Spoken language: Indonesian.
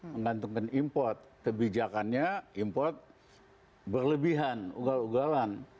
menggantungkan import kebijakannya import berlebihan ugal ugalan